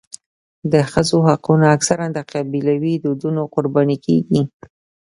د ښځو حقونه اکثره د قبیلوي دودونو قرباني کېږي.